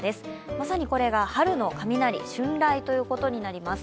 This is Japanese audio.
まさにこれが春の雷春雷ということになります。